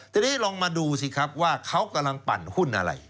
ทีนี้ลองมาดูสิครับว่าเขากำลังปั่นหุ้นอะไร